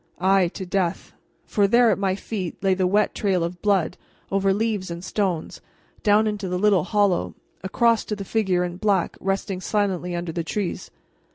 Ay, to death; for there at my feet, lay the wet trail of blood, over leaves and stones, down into the little hollow, across to the figure in black resting silently under the trees.